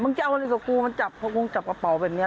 มึงจะเอาอะไรกับกูมันจับกระเป๋าแบบนี้